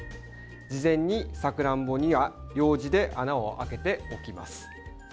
事前に、さくらんぼにはようじで穴を開けておきます。